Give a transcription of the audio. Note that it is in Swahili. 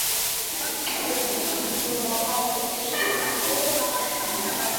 Ma ndizi, na ma avocat iko bei sana mu mvula